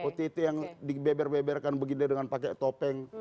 oti oti yang dibeber beberkan begini dengan pakai topeng